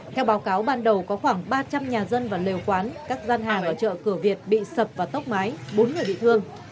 theo báo cáo ban đầu có khoảng ba trăm linh nhà dân và lều quán các gian hàng ở chợ cửa việt bị sập và tốc mái bốn người bị thương